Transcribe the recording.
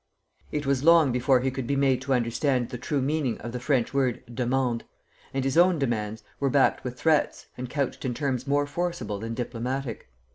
It was long before he could be made to understand the true meaning of the French word demande, and his own demands were backed with threats and couched in terms more forcible than diplomatic.